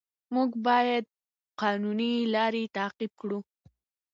موږ باید قانوني لارې تعقیب کړو